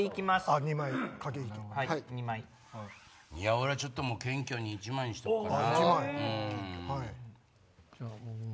俺ちょっと謙虚に１枚にしとくかな。